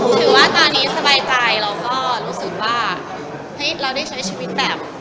ถือว่าตอนนี้สบายใจเราก็รู้สึกว่าเฮ้ยเราได้ใช้ชีวิตแบบ